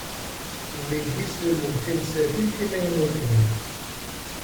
Wigi slulen-d tiwsatin timaynutin.